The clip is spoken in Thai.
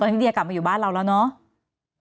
ตอนนี้เดียกลับมาอยู่บ้านเราแล้วเนาะ